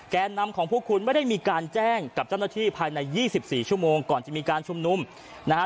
นำของพวกคุณไม่ได้มีการแจ้งกับเจ้าหน้าที่ภายใน๒๔ชั่วโมงก่อนจะมีการชุมนุมนะฮะ